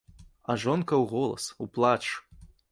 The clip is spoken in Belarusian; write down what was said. А жонка ў голас, у плач.